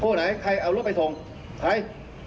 ไหนใครเอารถไปส่งใคร